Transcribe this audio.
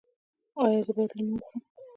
ایا زه باید لیمو وخورم؟